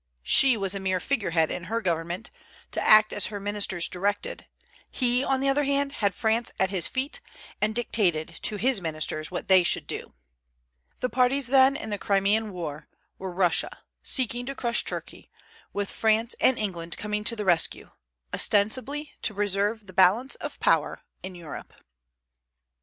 She was a mere figure head in her government, to act as her ministers directed; he, on the other hand, had France at his feet, and dictated to his ministers what they should do. The parties, then, in the Crimean war were Russia, seeking to crush Turkey, with France and England coming to the rescue, ostensibly to preserve the "balance of power" in Europe.